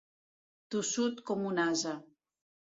Tossut com un ase.